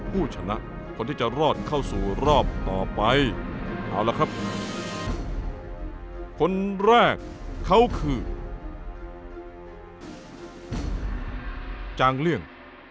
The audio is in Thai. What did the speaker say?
คนแรกเขาคือจังเลี่ยง